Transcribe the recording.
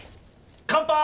乾杯！